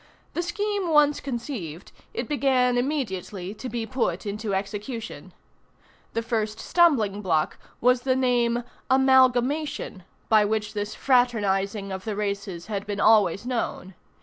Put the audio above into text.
The scheme once conceived, it began immediately to be put into execution. The first stumbling block was the name "amalgamation," by which this fraternizing of the races had been always known.